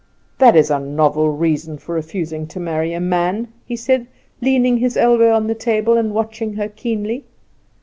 "That is a novel reason for refusing to marry a man," he said, leaning his elbow on the table and watching her keenly.